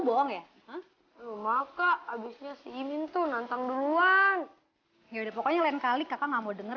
bohong ya maka abisnya si imin tuh nonton duluan ya udah pokoknya lain kali kakak nggak mau denger